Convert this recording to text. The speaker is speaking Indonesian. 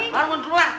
bangun dulu ah